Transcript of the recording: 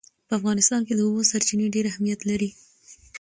په افغانستان کې د اوبو سرچینې ډېر اهمیت لري.